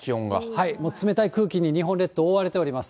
もう冷たい空気に日本列島、覆われております。